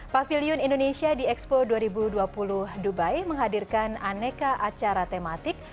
pavilion indonesia di expo dua ribu dua puluh dubai menghadirkan aneka acara tematik